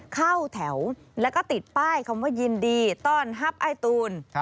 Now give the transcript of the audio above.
เข้าแถวแล้วก็ติดป้ายคำว่ายินดีต้อนรับไอ้ตูน